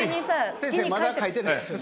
先生まだ書いてないですよね？